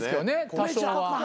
多少は。